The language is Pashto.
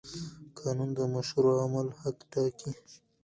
قانون د مشروع عمل حد ټاکي.